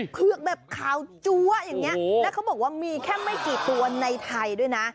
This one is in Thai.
เผือกแบบขาวจั๊วอย่างนี้แล้วเขาบอกว่ามีแค่ไม่กี่ตัวในไทยด้วยนะ